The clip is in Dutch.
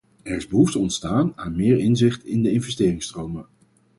Er is behoefte ontstaan aan meer inzicht in de investeringsstromen.